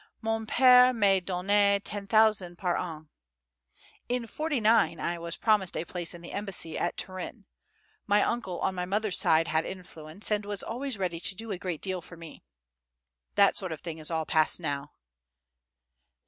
Mon pere me donnait ten thousand par an. In '49 I was promised a place in the embassy at Turin; my uncle on my mother's side had influence, and was always ready to do a great deal for me. That sort of thing is all past now.